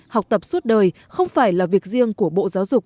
học tập suốt đời không phải là việc riêng của bộ giáo dục